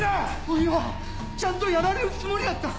おいはちゃんとやられるつもりやった！